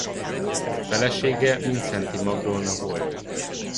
Felesége Mindszenty Magdolna volt.